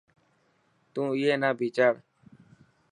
تون اي نا ڀيچاڙ.